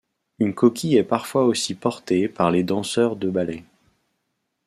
Une coquille est parfois aussi portée par les danseurs de ballets.